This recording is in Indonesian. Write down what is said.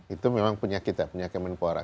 itu memang punya kita punya kemenpora